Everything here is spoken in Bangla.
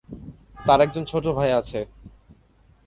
তার একজন ছোট ভাই আছে।